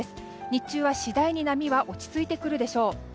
日中は次第に波は落ち着いてくるでしょう。